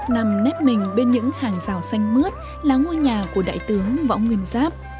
nằm nếp mình bên những hàng rào xanh mướt là ngôi nhà của đại tướng võ nguyên giáp